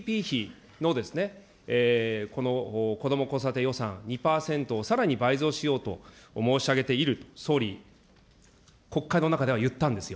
このＧＤＰひのこのこども・子育て予算、２％、さらに倍増しようと申し上げている、総理、国会の中では言ったんですよ。